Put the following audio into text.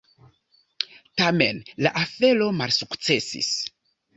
Tamen la afero malsukcesis.